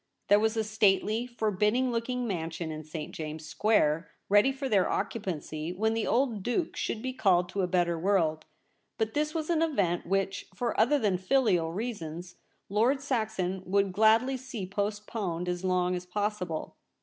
There was a stately, forbidding looking mansion in St. James's Square ready for their occupancy when the old Duke should be called to a better world ; but this was an event which, for other than filial reasons, Lord Saxon would gladly see postponed as long as possible.